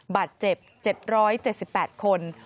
บาดเจ็บ๗๗๘คน